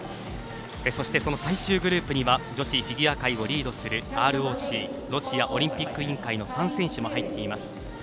そして、最終グループには女子フィギュア界をリードするＲＯＣ＝ロシアオリンピック委員会の３選手も入っています。